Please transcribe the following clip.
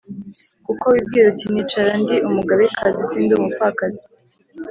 kuko wibwira uti ‘Nicara ndi umugabekazi sindi umupfakazi,